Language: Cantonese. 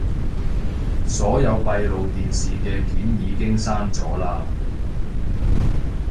所有閉路電視嘅片已經刪咗喇